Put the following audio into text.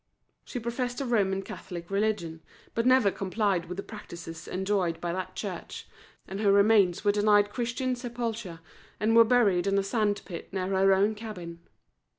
She professed the Roman Catholic religion, but never complied with the practices enjoined by that church, and her remains were denied Christian sepulture, and were buried in a sand pit near her own cabin.